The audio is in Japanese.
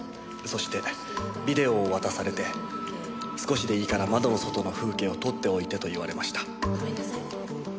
そしてビデオを渡されて少しでいいから窓の外の風景を撮っておいてと言われました。